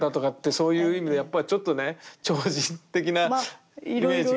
そういう意味でやっぱちょっとね超人的なイメージが。